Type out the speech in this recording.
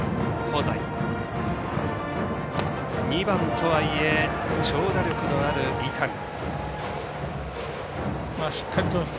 ２番とはいえ、長打力のある伊丹。